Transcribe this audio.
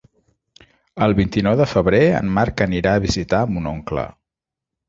El vint-i-nou de febrer en Marc anirà a visitar mon oncle.